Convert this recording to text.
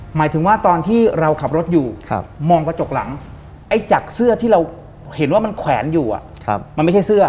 หมายถึงว่าตอนที่เราขับรถอยู่มองกระจกหลังไอ้จากเสื้อที่เราเห็นว่ามันแขวนอยู่มันไม่ใช่เสื้อ